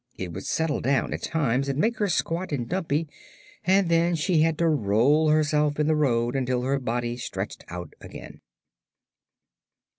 It would settle down, at times, and make her squat and dumpy, and then she had to roll herself in the road until her body stretched out again.